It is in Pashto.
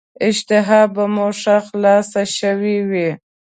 اشتها به مو هم ښه خلاصه شوې وي.